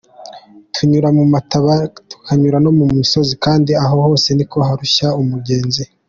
Tunyura mu mataba, tukanyura no mu misozi kandi aho hose niko harushya umugenzi.